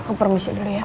kak aku permisi dulu ya